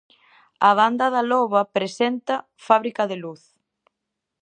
A banda da Loba presenta "Fábrica de luz".